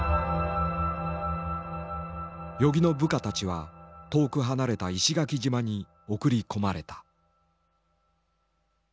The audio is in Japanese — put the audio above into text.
与儀の部下たちは遠く離れた石垣島に送り込まれた。